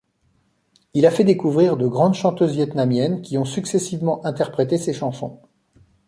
Il a fait découvrir de grandes chanteuses vietnamiennes qui ont successivement interprété ses chansons.